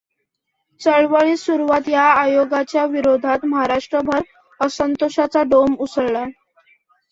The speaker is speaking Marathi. चळवळीस सुरुवात या आयोगाच्या विरोधात महाराष्ट्रभर असंतोषाचा डोंब उसळला.